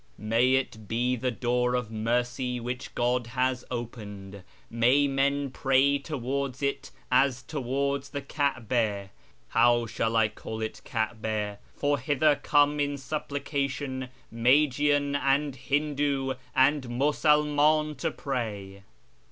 May it be the door of mercy which God has opened ! May men pray towards it as towards the Kaba ! How shall I call it ^Ka^ba' ? For hither come in supplication Magian and Hindu and MusulmAn to pray."